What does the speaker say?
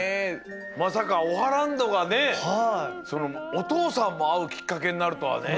まさかオハランドがねおとうさんもあうきっかけになるとはね。